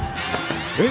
えっ？